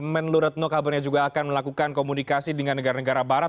menlu retno kabarnya juga akan melakukan komunikasi dengan negara negara barat